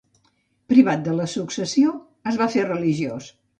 Privat de la successió, es va fer religiós.